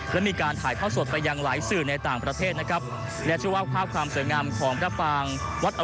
แล้วมีการถ่ายเพราะสดไปยังหลายซื่อในต่างประเทศนะครับ